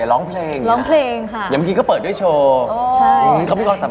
อันนี้ถูกไหม